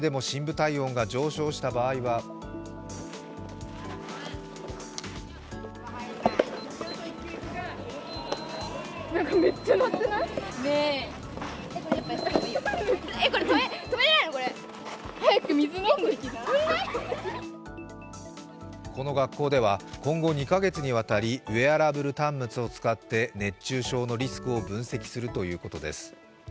ただ、それでも深部体温が上昇した場合はこの学校では今後２か月にわたりウェアラブル端末を使って熱中症のリスクを分析するということです。